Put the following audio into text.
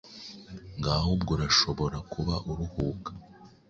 ngaho ubwo urashobora kuba uruhuka,